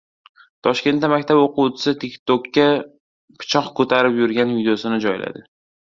Toshkentda maktab o‘quvchisi TikTok'ka pichoq ko‘tarib yurgan videosini joyladi